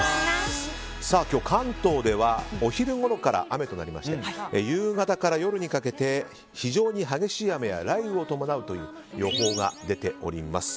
今日、関東ではお昼ごろから雨となりまして夕方から夜にかけて非常に激しい雨や雷雨を伴うという予報が出ております。